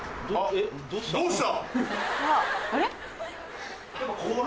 どうした？